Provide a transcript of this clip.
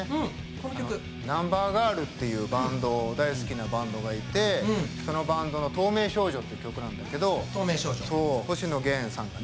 ナンバーガールっていうバンド大好きなバンドがいてそのバンドの「透明少女」っていう曲なんだけど星野源さんがね